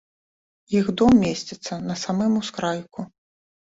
Іх дом месціцца на самым ускрайку.